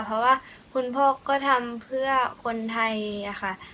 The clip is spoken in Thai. เพราะว่าคุณพ่อก็ทำเพื่อคนไทยค่ะ